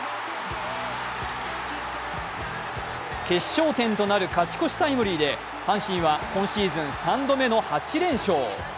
決勝点となる勝ち越しタイムリーで阪神は今シーズン３度目の８連勝。